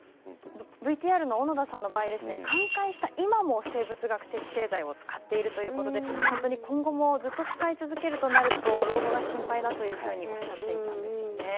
ＶＴＲの小野田さんの場合は寛解した今も生物学的製剤を使っているということで今後も使い続けるとなると老後が心配だというふうにおっしゃっていたんですよね。